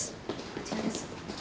こちらです。